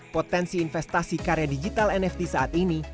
potensi investasi karya digital nft saat ini